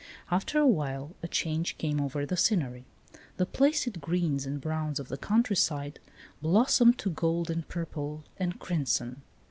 After a while a change came over the scenery. The placid greens and browns of the countryside blos somed to gold and purple and crimson.